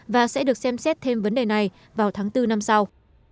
và sẽ được xem xét thêm vấn đề này vào tháng bốn năm sau